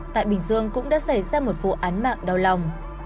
tại bình dương cũng đã xảy ra một vụ án mạng đau lòng